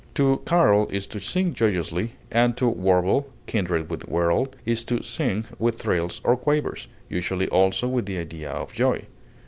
To carol is to sing joyously, and to warble (kindred with whirl) is to sing with trills or quavers, usually also with the idea of joy.